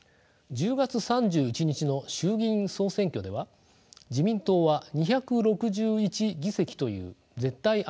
１０月３１日の衆議院総選挙では自民党は２６１議席という絶対安定多数議席を獲得しました。